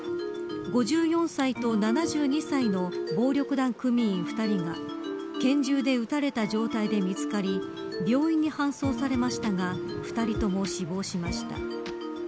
５４歳と７２歳の暴力団組員２人が拳銃で撃たれた状態で見つかり病院に搬送されましたが２人とも死亡しました。